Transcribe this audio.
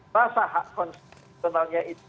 rasa hak konstitusionalnya itu